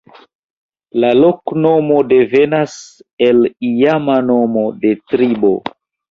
La loknomo devenas el iama nomo de tribo.